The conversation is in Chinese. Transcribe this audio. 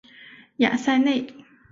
雅塞内。